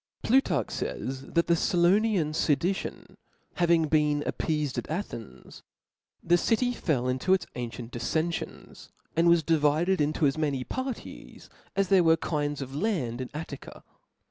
Plutarch fays" (^), that the Cilonian fedition hav 0)L»fcof ing been appeafed at Athens, the city fell into its ancient diflenfionsj and was divided into as many parties as there were kinds of land in Attica.